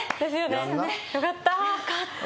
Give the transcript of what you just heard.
よかった